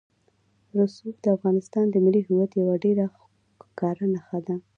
رسوب د افغانستان د ملي هویت یوه ډېره ښکاره نښه ده.